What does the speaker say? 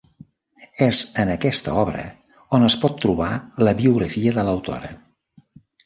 És en aquesta obra on es pot trobar la biografia de l'autora.